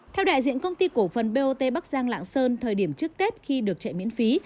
theo đại diện công ty cổ phần bot bắc giang lạng sơn thời điểm trước tết khi được chạy miễn phí